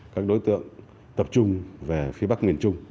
các đối tượng tập trung về phía bắc miền trung